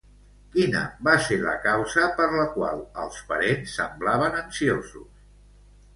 Quina va ser la causa per la qual els parents semblaven ansiosos?